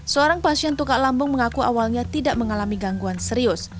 seorang pasien tukak lambung mengaku awalnya tidak mengalami gangguan serius